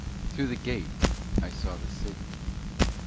Through the gate I saw the city.